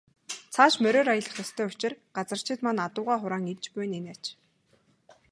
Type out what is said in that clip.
Цааш мориор аялах ёстой учир газарчид маань адуугаа хураан ирж буй нь энэ аж.